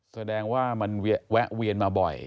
แสดงว่ามันแวะเวียนมาบ่อย